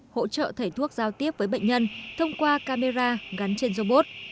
hỗ trợ thầy thuốc giao tiếp với bệnh nhân thông qua camera gắn trên robot